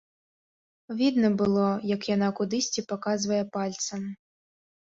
Відна было, як яна кудысьці паказвае пальцам.